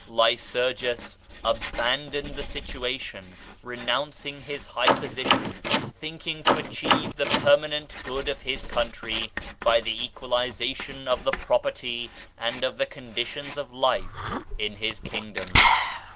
Lycurgus abandoned the situation, renouncing his high position, thinking to achieve the permanent good of his country by the equalisation of the property and of the conditions of life in his Kingdom.